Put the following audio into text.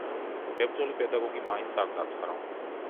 მებრძოლი პედაგოგი მაინც არ დაცხრა.